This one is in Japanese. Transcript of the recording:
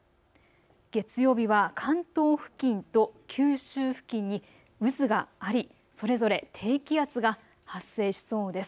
月曜日は関東付近と九州付近に渦があり、それぞれ低気圧が発生しそうです。